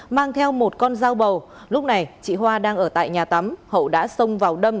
mang theo một con dao bầu lúc này chị hoa đang ở tại nhà tắm hậu đã xông vào đâm